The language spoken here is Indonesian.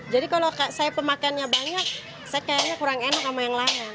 jadi kalau saya pemakaiannya banyak saya kayaknya kurang enak sama yang lain